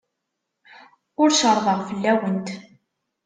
Ur cerrḍeɣ fell-awent.